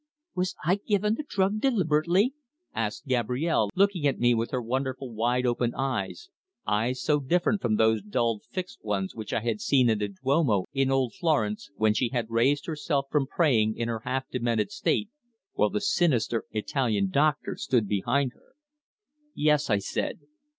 "Was I given the drug deliberately?" asked Gabrielle, looking at me with her wonderful wide open eyes eyes so different from those dulled fixed ones which I had seen in the Duomo in old Florence, when she had raised herself from praying in her half demented state while the sinister Italian doctor stood behind her. "Yes," I said.